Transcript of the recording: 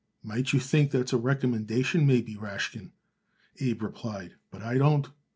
"Might you think that's a recommendation, maybe, Rashkin," Abe replied, "but I don't.